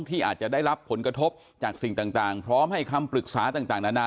ที่อาจจะได้รับผลกระทบจากสิ่งต่างพร้อมให้คำปรึกษาต่างนานา